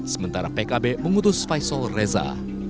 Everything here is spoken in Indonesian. sementara pkb mengutus faisal reza